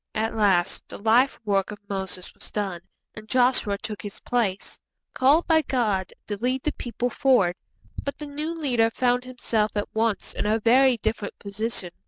At last the life work of Moses was done, and Joshua took his place, called by God to lead the people forward. But the new leader found himself at once in a very different position.